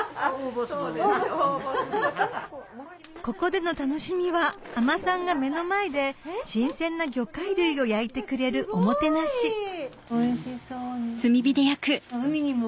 ここでの楽しみは海女さんが目の前で新鮮な魚介類を焼いてくれるおもてなしおいしそうに。